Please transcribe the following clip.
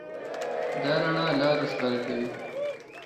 دا رڼا لاره ښکاره کوي.